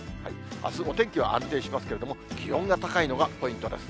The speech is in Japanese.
あす、お天気は安定しますけど、気温が高いのがポイントです。